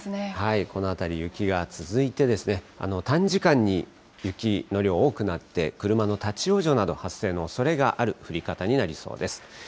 この辺り、雪が続いて、短時間に雪の量多くなって車の立往生など、発生のおそれがある降り方になりそうです。